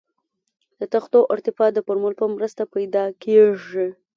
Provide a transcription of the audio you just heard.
د تختو ارتفاع د فورمول په مرسته پیدا کیږي